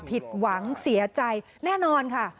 ผิดหวังเสียใจแน่นอนค่ะ